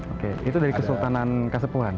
oke itu dari kesultanan kasepuhan